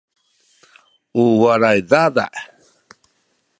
u walay dada’